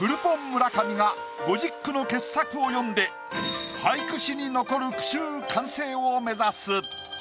村上が５０句の傑作を詠んで俳句史に残る句集完成を目指す。